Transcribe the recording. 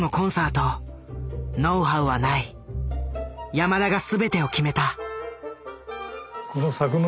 山田が全てを決めた。